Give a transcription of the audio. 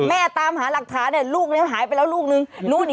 ตามหาหลักฐานเนี่ยลูกนี้หายไปแล้วลูกนึง